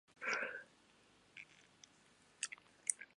愛媛県伊方町